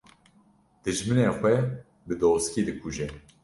Dijminê xwe bi doskî dikuje